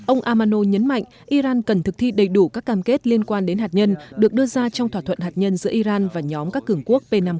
ông amano nhấn mạnh iran cần thực thi đầy đủ các cam kết liên quan đến hạt nhân được đưa ra trong thỏa thuận hạt nhân giữa iran và nhóm các cường quốc p năm